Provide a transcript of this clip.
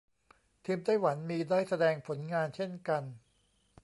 ทีมไต้หวันมีได้แสดงผลงานเช่นกัน